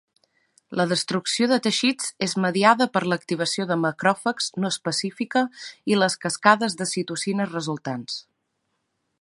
La destrucció de teixits és mediada per l'activació de macròfags no específica i les cascades de citocines resultants.